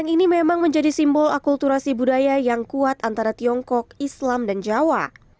ini memang menjadi simbol akulturasi budaya yang kuat antara tiongkok islam dan jawa